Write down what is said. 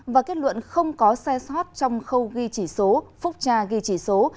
và kết luận không có sai sót trong khâu ghi chỉ số phúc tra ghi chỉ số